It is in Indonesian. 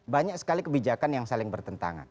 banyak sekali kebijakan yang saling bertentangan